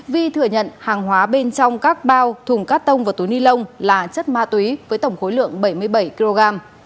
vi thừa nhận hàng hóa bên trong các bao thùng cát tông và túi ni lông là chất ma túy với tổng khối lượng bảy mươi bảy kg